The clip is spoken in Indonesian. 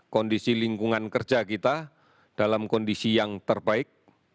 kondisi lingkungan kerja kita dalam kondisi yang terbaik